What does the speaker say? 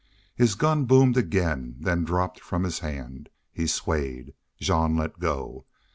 His gun boomed again, then dropped from his hand. He swayed. Jean let go.